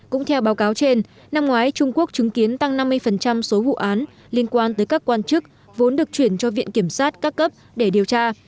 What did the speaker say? cũng theo báo cáo trên năm ngoái trung quốc chứng kiến tăng năm mươi số vụ án liên quan tới các quan chức vốn được chuyển cho viện kiểm sát các cấp để điều tra